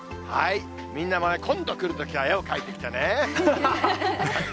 みんなも今度来るときは絵を描いてきてね。